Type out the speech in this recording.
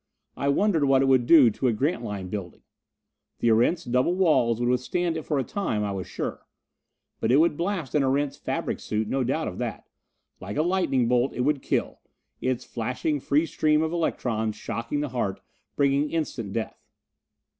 I wondered what it would do to a Grantline building! The Erentz double walls would withstand it for a time, I was sure. But it would blast an Erentz fabric suit, no doubt of that. Like a lightning bolt, it would kill its flashing free stream of electrons shocking the heart, bringing instant death.